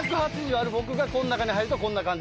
ある僕がこの中に入るとこんな感じです。